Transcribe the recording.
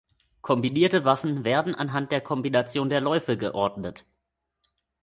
Kombinierte Waffen werden anhand der Kombination der Läufe geordnet.